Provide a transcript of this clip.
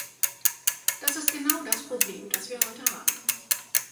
Das ist genau das Problem, das wir heute haben.